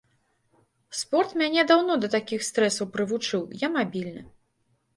Спорт мяне даўно да такіх стрэсаў прывучыў, я мабільны.